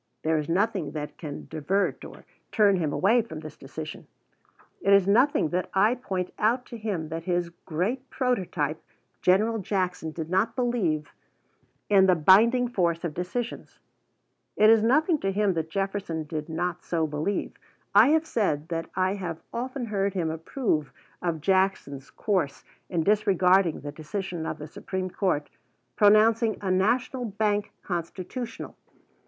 There is nothing that can divert or turn him away from this decision. It is nothing that I point out to him that his great prototype, General Jackson, did not believe in the binding force of decisions. It is nothing to him that Jefferson did not so believe. I have said that I have often heard him approve of Jackson's course in disregarding the decision of the Supreme Court pronouncing a national bank constitutional.